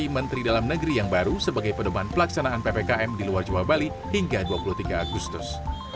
dan menteri dalam negeri yang baru sebagai pendopan pelaksanaan ppkm di luar jawa bali hingga dua puluh tiga agustus